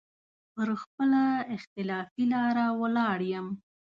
پر خپله اختلافي لاره ولاړ يم.